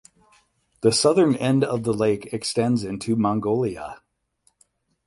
The southern end of the lake extends into Mongolia.